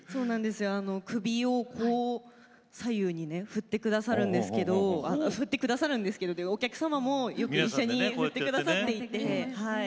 首をこう左右にね振って下さるんですけどお客様もよく一緒に振って下さっていて。